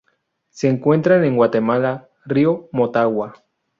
Se encuentran en Guatemala: río Motagua.